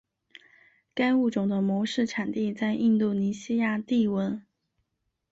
该物种的模式产地在印度尼西亚帝汶。